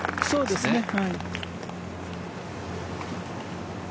そうですね。